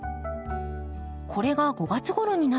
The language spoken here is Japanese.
これが５月ごろになると。